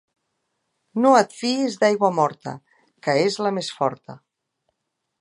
No et fiïs d'aigua morta, que és la més forta.